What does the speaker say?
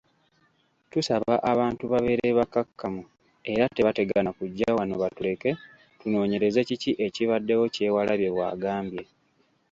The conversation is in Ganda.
“Tusaba abantu babeere bakkakkamu era tebategana kujja wano batuleke tunoonyereze kiki ekibaddewo,” Kyewalabye bwagambye.